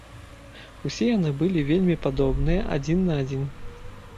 Усе яны былі вельмі падобныя адзін на адзін.